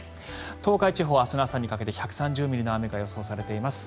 東海地方は明日の朝にかけて１３０ミリの雨が予想されています。